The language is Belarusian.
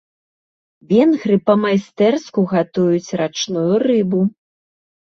Венгры па-майстэрску гатуюць рачную рыбу.